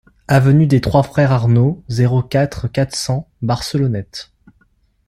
Avenue des Trois Frères Arnaud, zéro quatre, quatre cents Barcelonnette